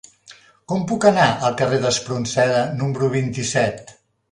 Com puc anar al carrer d'Espronceda número vint-i-set?